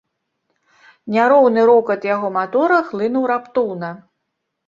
Няроўны рокат яго матора хлынуў раптоўна.